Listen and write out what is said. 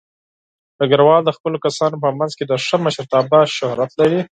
ډګروال د خپلو کسانو په منځ کې د ښه مشرتابه شهرت لري.